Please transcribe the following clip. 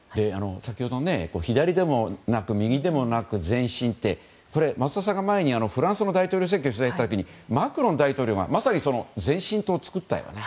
先ほど、左でもなく右でもなく前進って増田さんが前にフランスの大統領選挙の取材に行った時にマクロン大統領がまさに前進党を作ったよね。